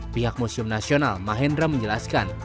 pihak museum nasional mahendra menjelaskan